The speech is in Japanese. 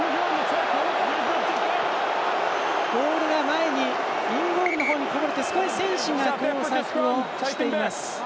ボールが前にインゴールの方にこぼれて選手が交錯をしています。